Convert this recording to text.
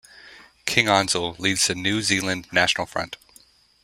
King-Ansell leads the New Zealand National Front.